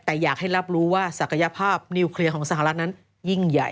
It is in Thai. แต่อยากให้รับรู้ว่าศักยภาพนิวเคลียร์ของสหรัฐนั้นยิ่งใหญ่